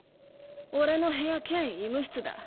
俺の部屋兼医務室だ。